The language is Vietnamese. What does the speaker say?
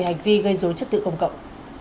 hành vi gây dối trật tự công cộng